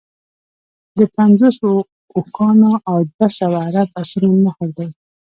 د پنځوسو اوښانو او دوه سوه عرب اسونو مهر دی.